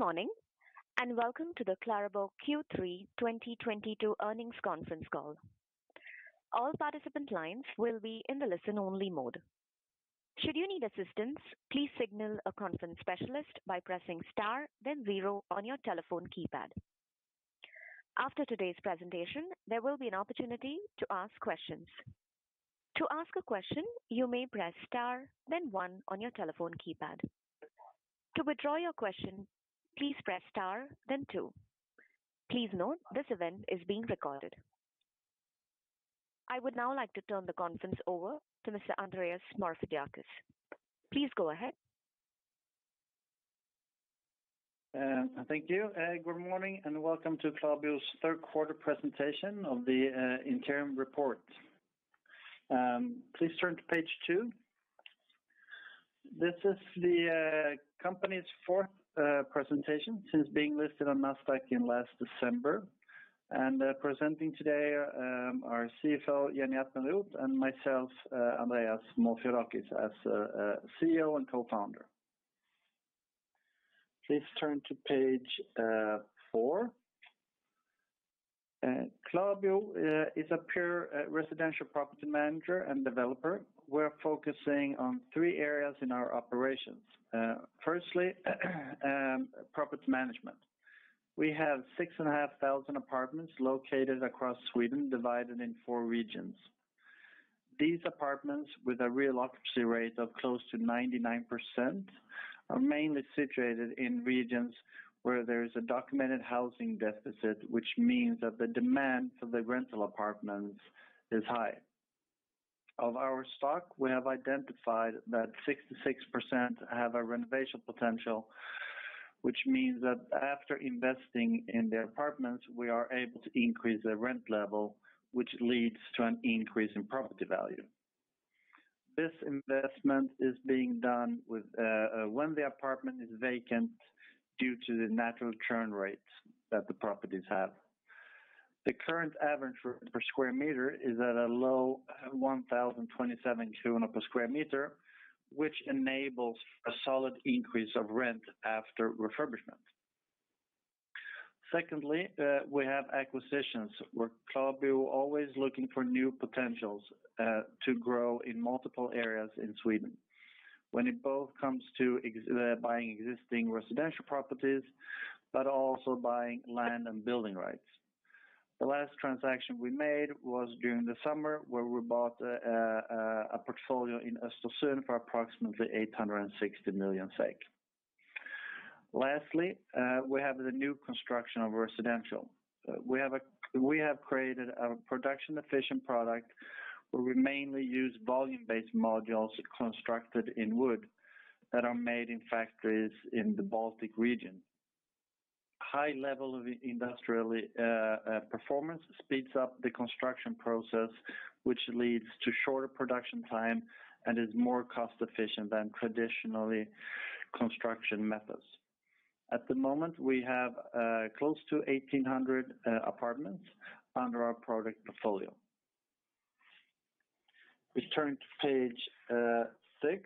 Good morning, and welcome to the KlaraBo Q3 2022 earnings conference call. All participant lines will be in the listen only mode. Should you need assistance, please signal a conference specialist by pressing Star, then zero on your telephone keypad. After today's presentation, there will be an opportunity to ask questions. To ask a question, you may press Star then one on your telephone keypad. To withdraw your question, please press Star then two. Please note this event is being recorded. I would now like to turn the conference over to Mr. Andreas Morfiadakis, please go ahead. Thank you. Good morning, and welcome to KlaraBo's third quarter presentation of the interim report. Please turn to page two. This is the company's fourth presentation since being listed on Nasdaq in last December. Presenting today are CFO Jenny Appenrodt and myself, Andreas Morfiadakis as CEO and co-founder. Please turn to page four. KlaraBo is a pure residential property manager and developer. We're focusing on three areas in our operations. Firstly, property management. We have 6,500 apartments located across Sweden, divided in four regions. These apartments, with a relocation rate of close to 99%, are mainly situated in regions where there is a documented housing deficit, which means that the demand for the rental apartments is high. Of our stock, we have identified that 66% have a renovation potential, which means that after investing in the apartments, we are able to increase the rent level, which leads to an increase in property value. This investment is being done with, when the apartment is vacant due to the natural churn rates that the properties have. The current average rent per square meter is at a low 1,027 per square meter, which enables a solid increase of rent after refurbishment. Secondly, we have acquisitions where KlaraBo always looking for new potentials, to grow in multiple areas in Sweden. When it both comes to buying existing residential properties, but also buying land and building rights. The last transaction we made was during the summer, where we bought a portfolio in Östersund for approximately 860 million. Lastly, we have the new construction of residential. We have created a production efficient product where we mainly use volume-based modules constructed in wood that are made in factories in the Baltic region. High level of industrial performance speeds up the construction process, which leads to shorter production time and is more cost efficient than traditional construction methods. At the moment, we have close to 1,800 apartments under our product portfolio. Please turn to page six.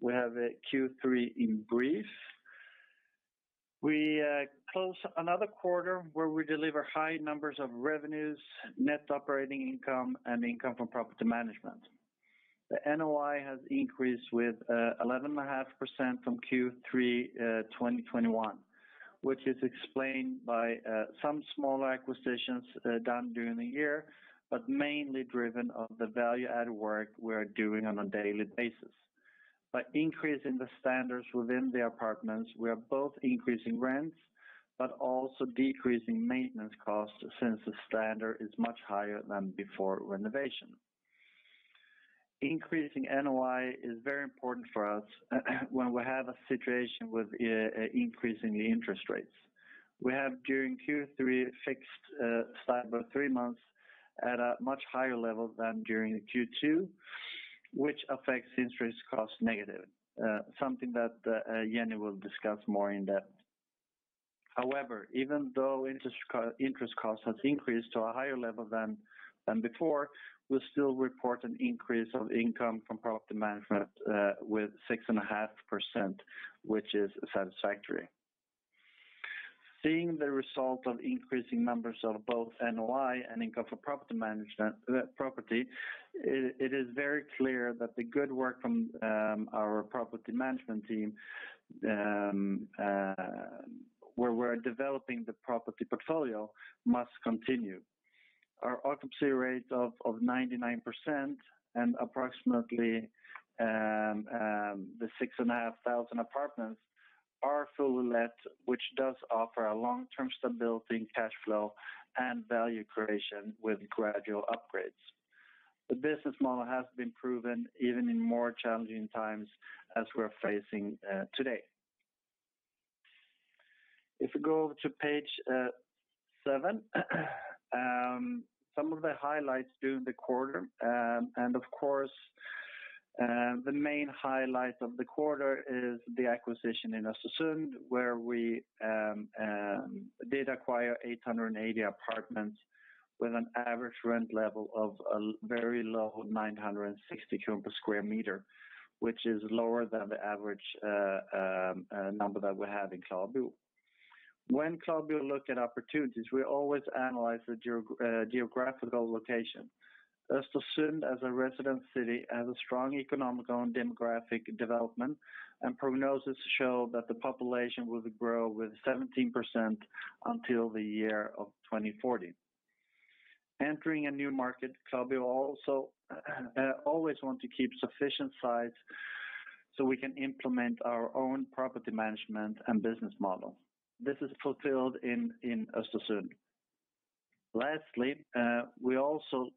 We have a Q3 in brief. We close another quarter where we deliver high numbers of revenues, net operating income, and income from property management. The NOI has increased with 11.5% from Q3 2021, which is explained by some small acquisitions done during the year, but mainly driven by the value-add work we're doing on a daily basis. By increasing the standards within the apartments, we are both increasing rents but also decreasing maintenance costs since the standard is much higher than before renovation. Increasing NOI is very important for us when we have a situation with increasing interest rates. We have during Q3 fixed STIBOR three months at a much higher level than during the Q2, which affects interest costs negatively. Something that Jenny will discuss more in depth. However, even though interest cost has increased to a higher level than before, we still report an increase of income from property management with 6.5%, which is satisfactory. Seeing the result of increasing numbers of both NOI and income from property management, it is very clear that the good work from our property management team where we're developing the property portfolio must continue. Our occupancy rate of 99% and approximately the 6,500 apartments are fully let, which does offer a long-term stability in cash flow and value creation with gradual upgrades. The business model has been proven even in more challenging times as we're facing today. If you go to page seven, some of the highlights during the quarter, and of course, the main highlight of the quarter is the acquisition in Östersund, where we did acquire 800 apartments with an average rent level of a very low 960 per square meter, which is lower than the average number that we have in KlaraBo. When KlaraBo look at opportunities, we always analyze the geographical location. Östersund as a residential city has a strong economic and demographic development, and prognosis show that the population will grow with 17% until the year of 2040. Entering a new market, KlaraBo also always want to keep sufficient size so we can implement our own property management and business model. This is fulfilled in Östersund. Lastly, we also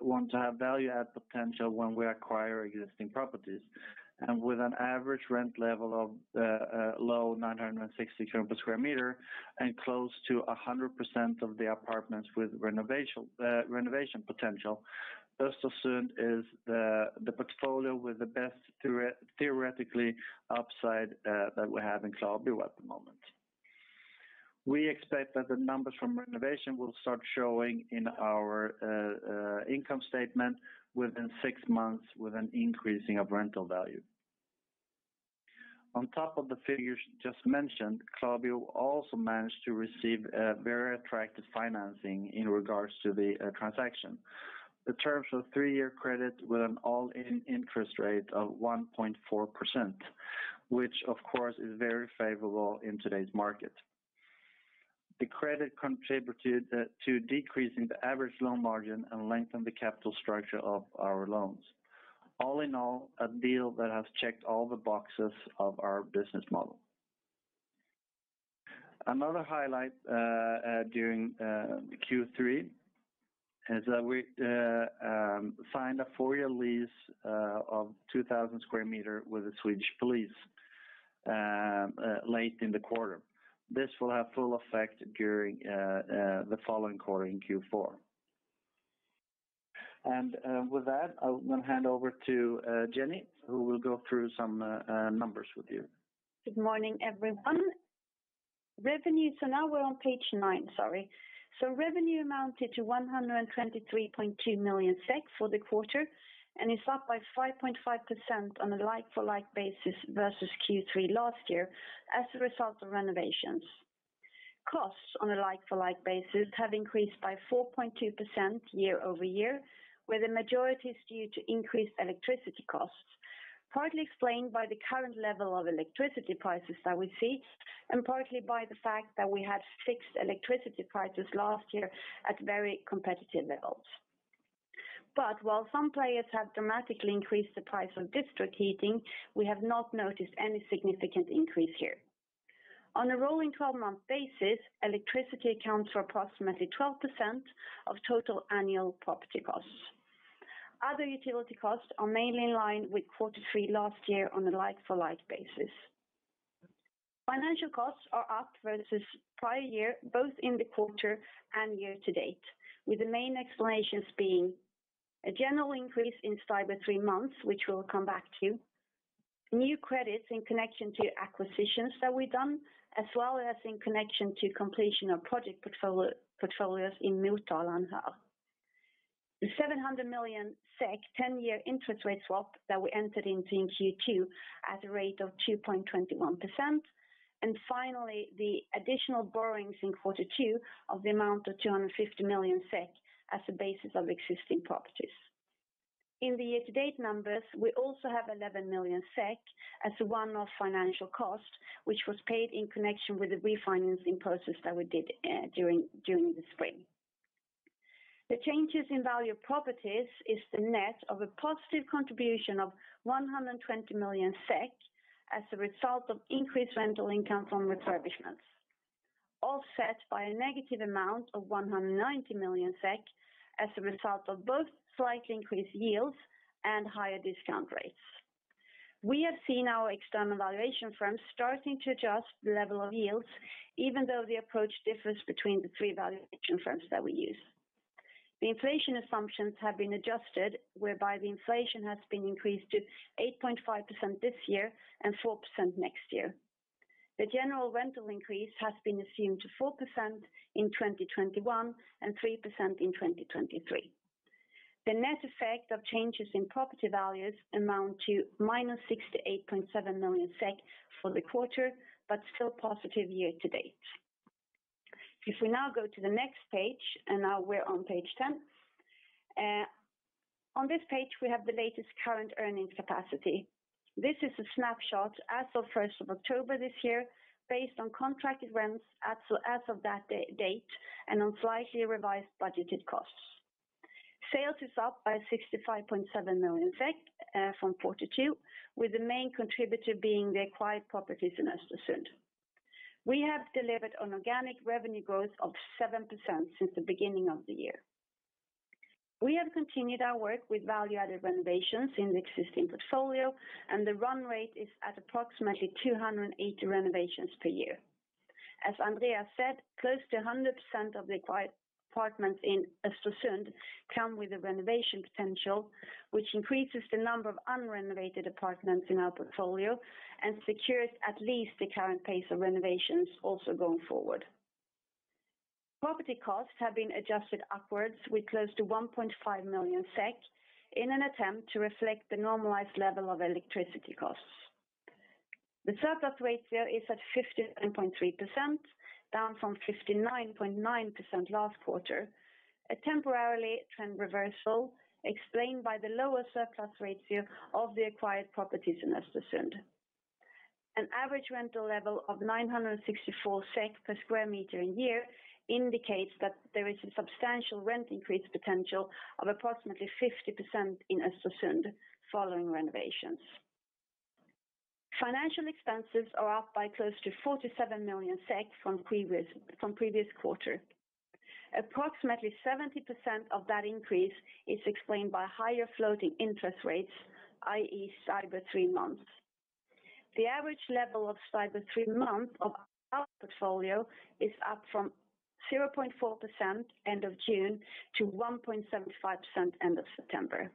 want to have value-add potential when we acquire existing properties. With an average rent level of low 960 SEK per square meter and close to 100% of the apartments with renovation potential, Östersund is the portfolio with the best theoretical upside that we have in KlaraBo at the moment. We expect that the numbers from renovation will start showing in our income statement within six months with an increasing of rental value. On top of the figures just mentioned, KlaraBo also managed to receive a very attractive financing in regards to the transaction. The terms of three-year credit with an all-in interest rate of 1.4%, which of course is very favorable in today's market. The credit contributed to decreasing the average loan margin and lengthen the capital structure of our loans. All in all, a deal that has checked all the boxes of our business model. Another highlight during Q3 is that we signed a four-year lease of 2,000 square meters with the Swedish Police late in the quarter. This will have full effect during the following quarter in Q4. With that, I'm gonna hand over to Jenny, who will go through some numbers with you. Good morning, everyone. Now we're on page nine, sorry. Revenue amounted to 123.2 million SEK for the quarter, and it's up by 5.5% on a like-for-like basis versus Q3 last year as a result of renovations. Costs on a like-for-like basis have increased by 4.2% year-over-year, where the majority is due to increased electricity costs, partly explained by the current level of electricity prices that we see, and partly by the fact that we had fixed electricity prices last year at very competitive levels. While some players have dramatically increased the price of district heating, we have not noticed any significant increase here. On a rolling 12-month basis, electricity accounts for approximately 12% of total annual property costs. Other utility costs are mainly in line with quarter three last year on a like-for-like basis. Financial costs are up versus prior year, both in the quarter and year-to-date, with the main explanations being a general increase in STIBOR three months, which we'll come back to. New credits in connection to acquisitions that we've done, as well as in connection to completion of project portfolios in Motala and Halmstad. The 700 million SEK ten-year interest rate swap that we entered into in Q2 at a rate of 2.21%. Finally, the additional borrowings in quarter two of the amount of 250 million SEK as the basis of existing properties. In the year-to-date numbers, we also have 11 million SEK as a one-off financial cost, which was paid in connection with the refinancing process that we did, during the spring. The changes in property values is the net of a positive contribution of 120 million SEK as a result of increased rental income from refurbishments. offset by a negative amount of 190 million SEK as a result of both slightly increased yields and higher discount rates. We have seen our external valuation firms starting to adjust the level of yields even though the approach differs between the three valuation firms that we use. The inflation assumptions have been adjusted, whereby the inflation has been increased to 8.5% this year and 4% next year. The general rental increase has been assumed to 4% in 2021 and 3% in 2023. The net effect of changes in property values amount to -68.7 million SEK for the quarter, but still positive year to date. If we now go to the next page, and now we're on page 10. On this page, we have the latest current earnings capacity. This is a snapshot as of first of October this year, based on contracted rents as of that date and on slightly revised budgeted costs. Sales is up by 65.7 million from 42 million, with the main contributor being the acquired properties in Östersund. We have delivered an organic revenue growth of 7% since the beginning of the year. We have continued our work with value-added renovations in the existing portfolio, and the run rate is at approximately 280 renovations per year. As Andreas said, close to 100% of the acquired apartments in Östersund come with a renovation potential, which increases the number of unrenovated apartments in our portfolio and secures at least the current pace of renovations also going forward. Property costs have been adjusted upwards with close to 1.5 million SEK in an attempt to reflect the normalized level of electricity costs. The surplus ratio is at 57.3%, down from 59.9% last quarter. A temporary trend reversal explained by the lower surplus ratio of the acquired properties in Östersund. An average rental level of 964 SEK per square meter in a year indicates that there is a substantial rent increase potential of approximately 50% in Östersund following renovations. Financial expenses are up by close to 47 million SEK from previous quarter. Approximately 70% of that increase is explained by higher floating interest rates, i.e. STIBOR three months. The average level of STIBOR three-month of our portfolio is up from 0.4% end of June to 1.75% end of September.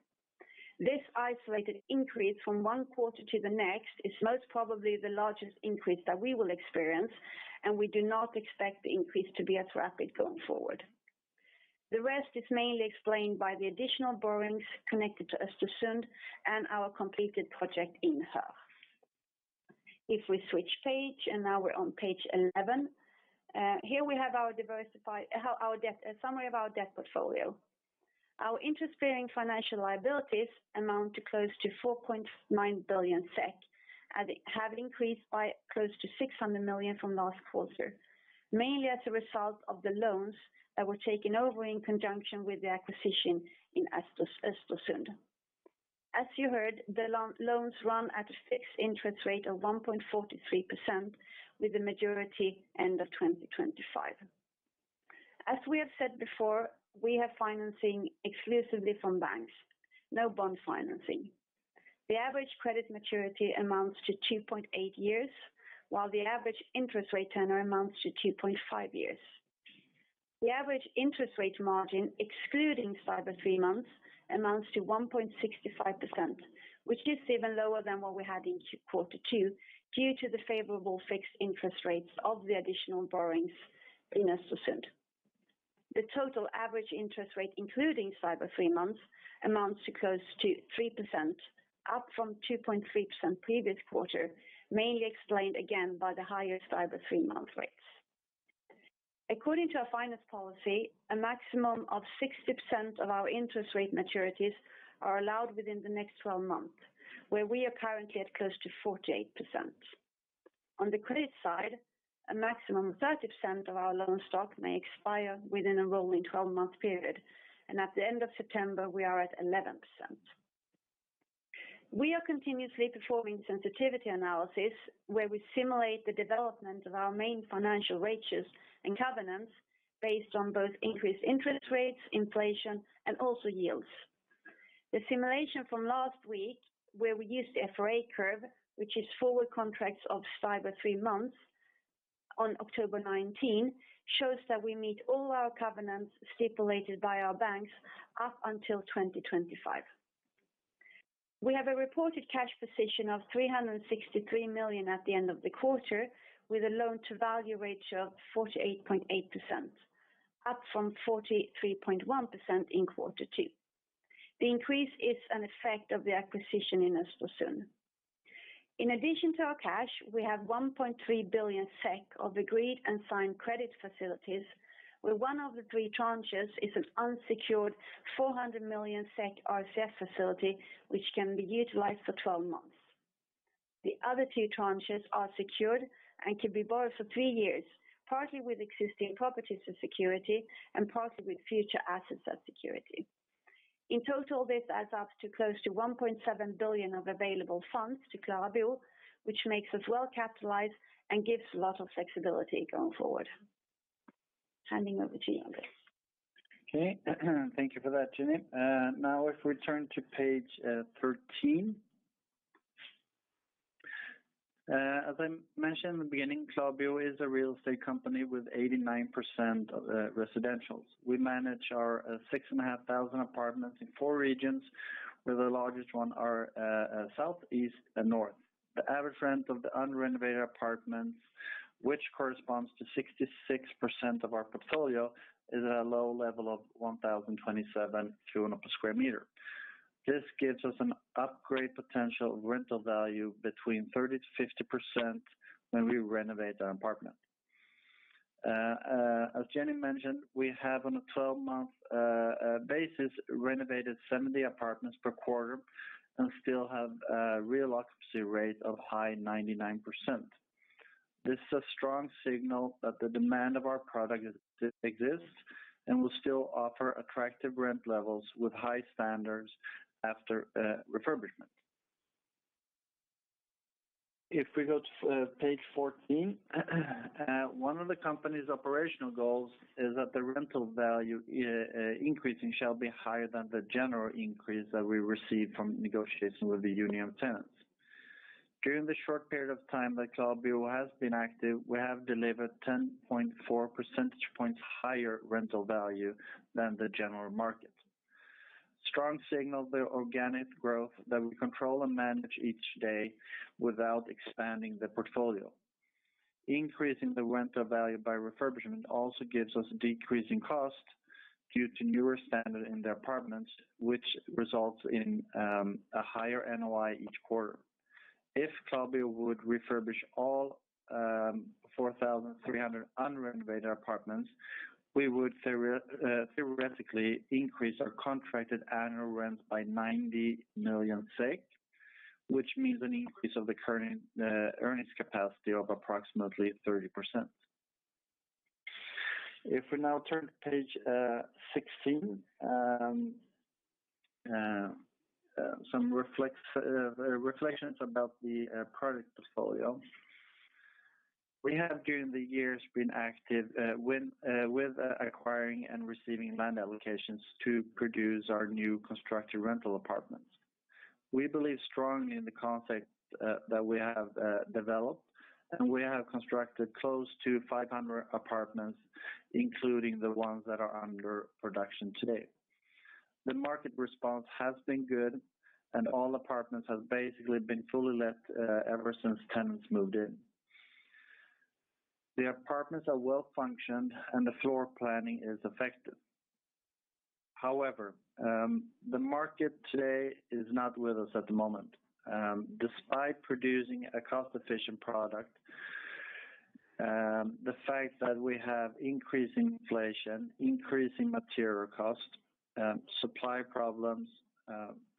This isolated increase from one quarter to the next is most probably the largest increase that we will experience, and we do not expect the increase to be as rapid going forward. The rest is mainly explained by the additional borrowings connected to Östersund and our completed project in Huskvarna. If we switch page, and now we're on page 11. Here we have our debt, a summary of our debt portfolio. Our interest-bearing financial liabilities amount to close to 4.9 billion SEK and have increased by close to 600 million from last quarter. Mainly as a result of the loans that were taken over in conjunction with the acquisition in Östersund. As you heard, the loans run at a fixed interest rate of 1.43%, with the majority end of 2025. As we have said before, we have financing exclusively from banks, no bond financing. The average credit maturity amounts to 2.8 years, while the average interest rate tenure amounts to 2.5 years. The average interest rate margin, excluding STIBOR three months, amounts to 1.65%, which is even lower than what we had in quarter two, due to the favorable fixed interest rates of the additional borrowings in Östersund. The total average interest rate, including STIBOR three months, amounts to close to 3%, up from 2.3% previous quarter, mainly explained again by the higher STIBOR three-month rates. According to our finance policy, a maximum of 60% of our interest rate maturities are allowed within the next 12 months, where we are currently at close to 48%. On the credit side, a maximum of 30% of our loan stock may expire within a rolling 12-month period, and at the end of September, we are at 11%. We are continuously performing sensitivity analysis, where we simulate the development of our main financial ratios and covenants based on both increased interest rates, inflation, and also yields. The simulation from last week, where we used the FRA curve, which is forward contracts of STIBOR three months on October 19, shows that we meet all our covenants stipulated by our banks up until 2025. We have a reported cash position of 363 million at the end of the quarter, with a loan-to-value ratio of 48.8%, up from 43.1% in quarter two. The increase is an effect of the acquisition in Östersund. In addition to our cash, we have 1.3 billion SEK of agreed and signed credit facilities, where one of the three tranches is an unsecured 400 million SEK RCF facility, which can be utilized for twelve months. The other two tranches are secured and can be borrowed for three years, partly with existing properties as security and partly with future assets as security. In total, this adds up to close to 1.7 billion of available funds to KlaraBo, which makes us well-capitalized and gives a lot of flexibility going forward. Handing over to you Andreas. Okay, thank you for that, Jenny. Now if we turn to page 13. As I mentioned in the beginning, KlaraBo is a real estate company with 89% of residential. We manage our 6,500 apartments in four regions, with the largest one are South, East and North. The average rent of the unrenovated apartments, which corresponds to 66% of our portfolio, is at a low level of 1,027 per square meter. This gives us an upgrade potential rental value between 30%-50% when we renovate our apartment. As Jenny mentioned, we have on a 12-month basis renovated 70 apartments per quarter and still have a real occupancy rate of high 99%. This is a strong signal that the demand of our product exists and will still offer attractive rent levels with high standards after refurbishment. If we go to page 14. One of the company's operational goals is that the rental value increasing shall be higher than the general increase that we receive from negotiation with the Union of Tenants. During the short period of time that KlaraBo has been active, we have delivered 10.4 percentage points higher rental value than the general market. Strong signal the organic growth that we control and manage each day without expanding the portfolio. Increasing the rental value by refurbishment also gives us decreasing costs due to newer standard in the apartments, which results in a higher NOI each quarter. If KlaraBo would refurbish all 4,300 unrenovated apartments, we would theoretically increase our contracted annual rent by 90 million SEK, which means an increase of the current earnings capacity of approximately 30%. If we now turn to page 16, some reflections about the product portfolio. We have, during the years, been active with acquiring and receiving land allocations to produce our newly constructed rental apartments. We believe strongly in the concept that we have developed, and we have constructed close to 500 apartments, including the ones that are under production today. The market response has been good, and all apartments have basically been fully let ever since tenants moved in. The apartments are well-functioning, and the floor planning is effective. However, the market today is not with us at the moment. Despite producing a cost-efficient product, the fact that we have increasing inflation, increasing material costs, supply problems,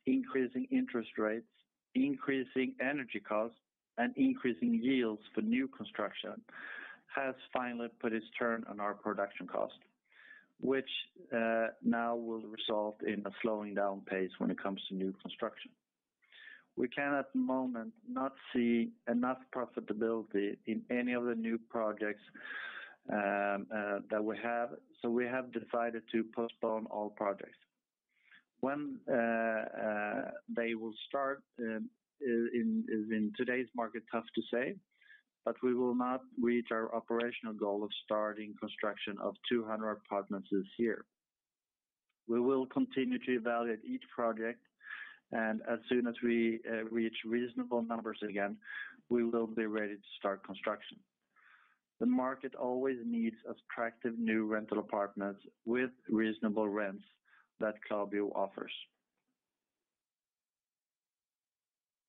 increasing interest rates, increasing energy costs, and increasing yields for new construction has finally taken its toll on our production cost, which now will result in a slowing down pace when it comes to new construction. We can, at the moment, not see enough profitability in any of the new projects that we have, so we have decided to postpone all projects. When they will start is, in today's market, tough to say, but we will not reach our operational goal of starting construction of 200 apartments this year. We will continue to evaluate each project, and as soon as we reach reasonable numbers again, we will be ready to start construction. The market always needs attractive new rental apartments with reasonable rents that KlaraBo offers.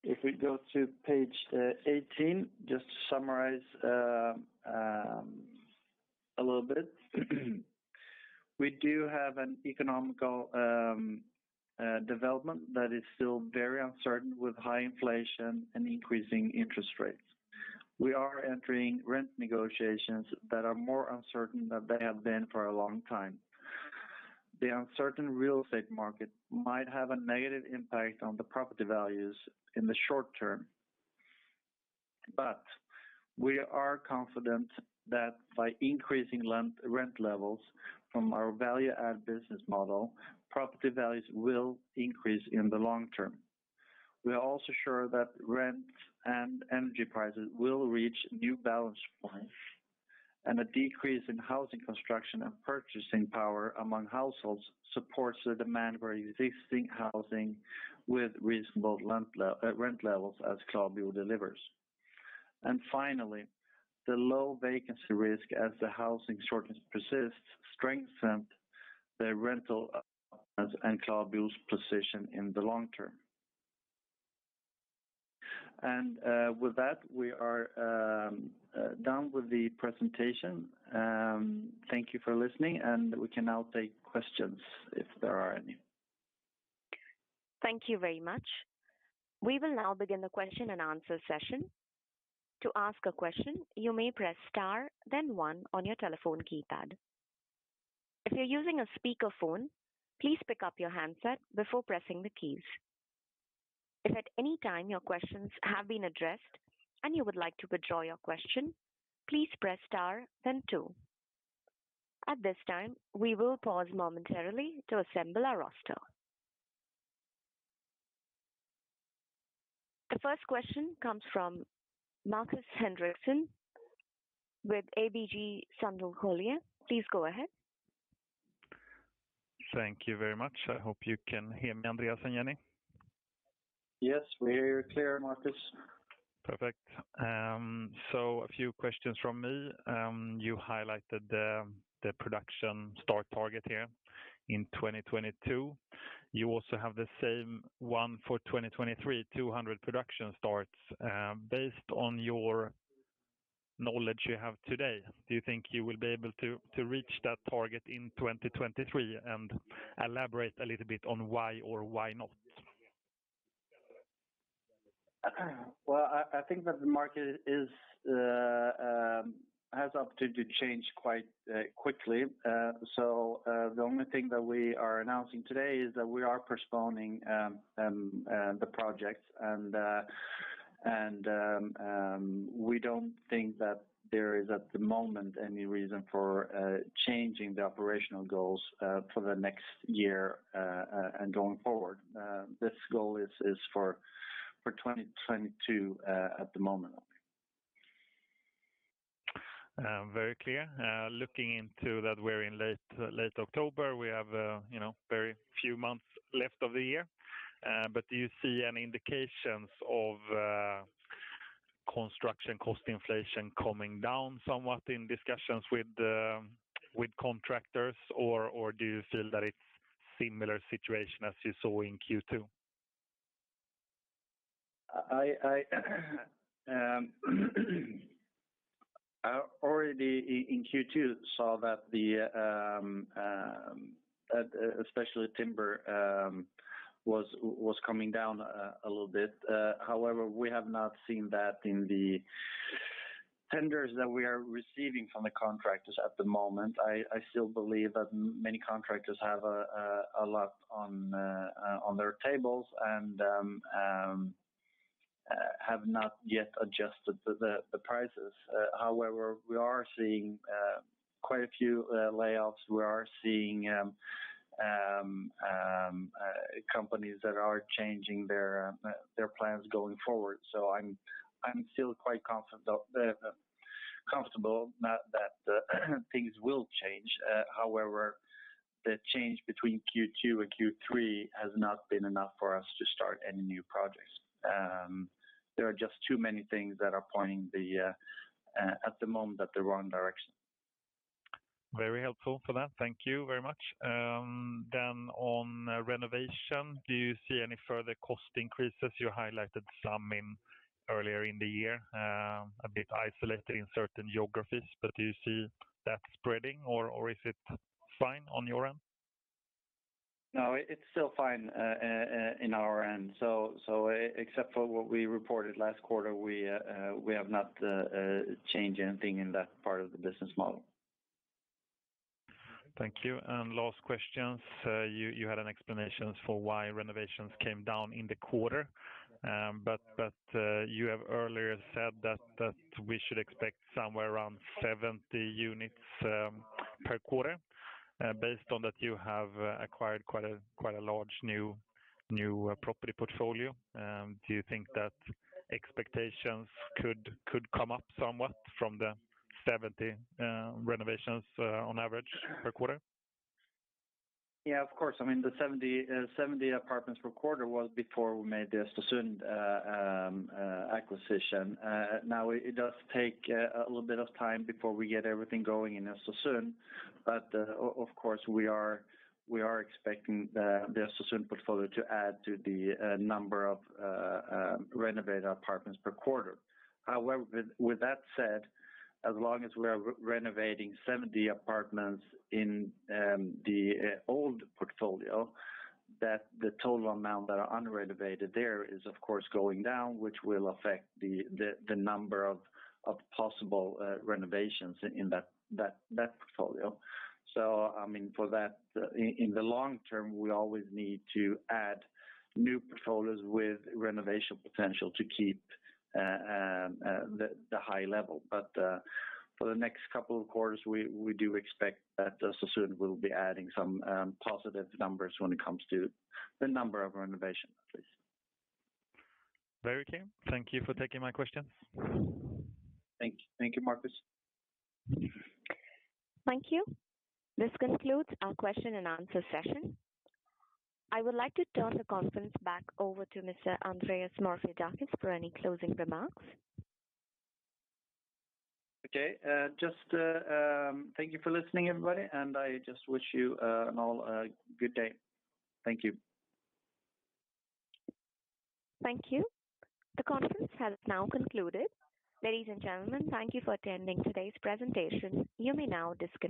If we go to page 18, just to summarize a little bit. We do have an economic development that is still very uncertain with high inflation and increasing interest rates. We are entering rent negotiations that are more uncertain than they have been for a long time. The uncertain real estate market might have a negative impact on the property values in the short term. We are confident that by increasing land rent levels from our value-add business model, property values will increase in the long term. We are also sure that rent and energy prices will reach new balance points, and a decrease in housing construction and purchasing power among households supports the demand for existing housing with reasonable rent levels as KlaraBo delivers. Finally, the low vacancy risk as the housing shortage persists strengthened the rental apartments and KlaraBo's position in the long term. With that, we are done with the presentation. Thank you for listening, and we can now take questions if there are any. Thank you very much. We will now begin the question-and-answer session. To ask a question you may press star then one on your telephone keypad. If you're using a speakerphone, please pick up your handset before pressing the keys. If at any time your questions have been addressed and you would like to withdraw your question, please press star then two. At this time, we will pause momentarily to assemble our roster. The first question comes from Markus Henriksson with ABG Sundal Collier, please go ahead. Thank you very much. I hope you can hear me Andreas and Jenny. Yes, we hear you clear, Markus. Perfect, so a few questions from me. You highlighted the production start target here in 2022. You also have the same one for 2023, 200 production starts. Based on your knowledge you have today, do you think you will be able to reach that target in 2023? Elaborate a little bit on why or why not. Well, I think that the market has opportunity to change quite quickly. The only thing that we are announcing today is that we are postponing the projects. We don't think that there is, at the moment, any reason for changing the operational goals for the next year and going forward. This goal is for 2022, at the moment. Very clear. Looking into that, we're in late October. We have, you know, very few months left of the year. Do you see any indications of construction cost inflation coming down somewhat in discussions with contractors? Or do you feel that it's similar situation as you saw in Q2? I already in Q2 saw that the especially timber was coming down a little bit. However, we have not seen that in the tenders that we are receiving from the contractors at the moment. I still believe that many contractors have a lot on their tables and have not yet adjusted the prices. However, we are seeing quite a few layoffs. We are seeing companies that are changing their plans going forward. I'm still quite confident, comfortable that things will change. However, the change between Q2 and Q3 has not been enough for us to start any new projects. There are just too many things that are pointing at the moment at the wrong direction. Very helpful for that. Thank you very much. On renovation, do you see any further cost increases? You highlighted some increases earlier in the year, a bit isolated in certain geographies, but do you see that spreading or is it fine on your end? No, it's still fine on our end. Except for what we reported last quarter, we have not changed anything in that part of the business model. Thank you. Last question. You had an explanation for why renovations came down in the quarter. But you have earlier said that we should expect somewhere around 70 units per quarter. Based on that, you have acquired quite a large new property portfolio. Do you think that expectations could come up somewhat from the 70 renovations on average per quarter? Yeah, of course. I mean, the 70 apartments per quarter was before we made the Östersund acquisition. Now it does take a little bit of time before we get everything going in Östersund. Of course, we are expecting the Östersund portfolio to add to the number of renovated apartments per quarter. However, with that said, as long as we are renovating 70 apartments in the old portfolio, that the total amount that are unrenovated there is of course going down, which will affect the number of possible renovations in that portfolio. I mean for that, in the long term, we always need to add new portfolios with renovation potential to keep the high level. For the next couple of quarters, we do expect that Östersund will be adding some positive numbers when it comes to the number of renovations at least. Very clear. Thank you for taking my questions. Thank you, Markus. Thank you. This concludes our question and answer session. I would like to turn the conference back over to Mr. Andreas Morfiadakis for any closing remarks. Okay. Just thank you for listening, everybody, and I just wish you all a good day. Thank you. Thank you. The conference has now concluded. Ladies and gentlemen thank you for attending today's presentation. You may now disconnect.